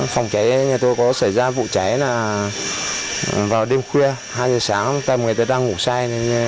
phòng cháy nhà tôi có xảy ra vụ cháy là vào đêm khuya hai giờ sáng tầm người tôi đang ngủ say